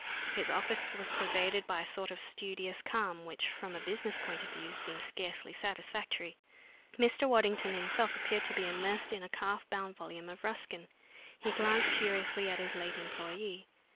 His office was pervaded by a sort of studious calm which, from a business point of view, seemed scarcely satisfactory. Mr. Waddington himself appeared to be immersed in a calf bound volume of Ruskin. He glanced curiously at his late employee.